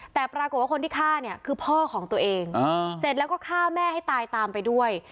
แต่ปรากฏว่าคนที่ฆ่าเนี่ยคือพ่อของตัวเองเสร็จแล้วก็ฆ่าแม่ให้ตายตามไปด้วย